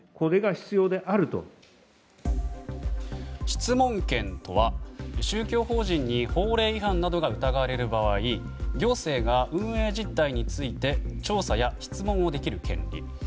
質問権とは、宗教法人に法令違反などが疑われる場合行政が運営実態について調査や質問をできる権利。